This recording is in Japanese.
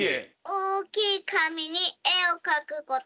おおきいかみにえをかくこと。